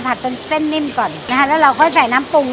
จนเส้นนิ่มก่อนนะคะแล้วเราค่อยใส่น้ำปรุง